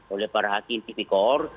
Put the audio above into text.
oleh para hakim tipikor